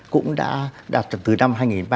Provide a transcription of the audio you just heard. cũng đã từ năm hai nghìn ba